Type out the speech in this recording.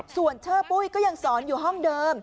ส่วนเชอร์ปุ้ยก็ยังสอนอยู่ห้องเดิม